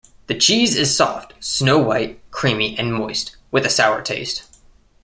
The cheese is soft, snow-white, creamy, and moist, with a sour taste.